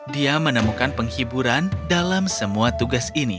dia menemukan penghiburan dalam semua tugas ini